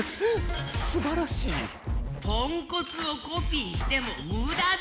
ポンコツをコピーしてもムダだよ！